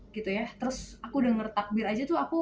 gitu ya terus aku denger takbir aja tuh aku